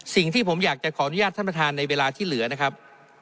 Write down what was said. สิ่งที่ผมอยากจะขออนุญาตท่านประธานในเวลาที่เหลือนะครับ